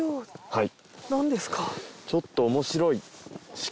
はい。